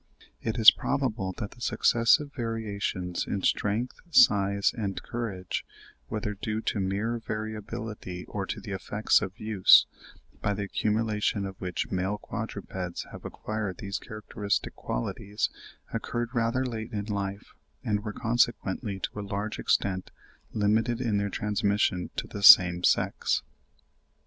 It is probable that the successive variations in strength, size, and courage, whether due to mere variability or to the effects of use, by the accumulation of which male quadrupeds have acquired these characteristic qualities, occurred rather late in life, and were consequently to a large extent limited in their transmission to the same sex.